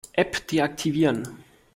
App deaktivieren.